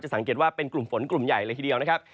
สังเกตว่าเป็นกลุ่มฝนกลุ่มใหญ่เลยทีเดียวนะครับ